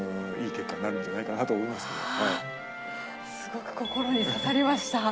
すごく心に刺さりました